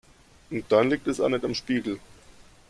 Und dann liegt es auch nicht am Spiegel.